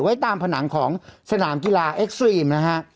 ไว้ตามผนังของสนามกีฬาเอ็กซ์ตรีมนะฮะ